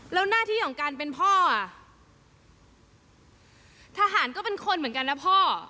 แล้วหน้าที่ของการเป็นพ่ออ่ะทหารก็เป็นคนเหมือนกันนะพ่อ